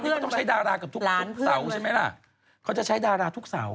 ตอนนี้ต้องใช้ดาราให้ล้านเพื่อนใช่ไหมล่ะเค้าจะใช้ดาราครองทุกเสา